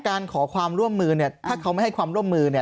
การขอความร่วมมือเนี่ยถ้าเขาไม่ให้ความร่วมมือนะ